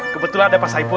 kebetulan ada pak saipul